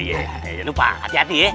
iya lupa hati hati ya